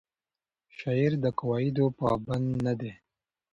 شاعر د قواعدو پابند نه دی.